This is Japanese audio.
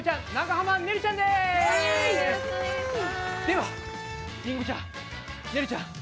ではりんごちゃんねるちゃん